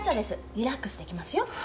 リラックスできますよ。